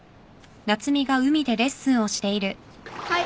はい。